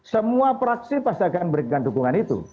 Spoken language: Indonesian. semua praksi pasti akan berikan dukungan itu